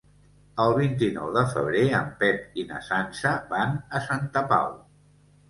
El vint-i-nou de febrer en Pep i na Sança van a Santa Pau.